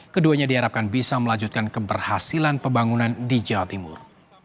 keduanya diharapkan bisa melanjutkan keberhasilan pembangunan di jawa timur